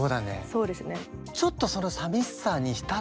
そうですね。